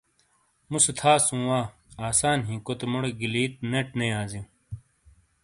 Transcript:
مُوسے تھاسُوں وا، آسان ہی کوتے موٹے گلیت نیٹ نے یازیُوں۔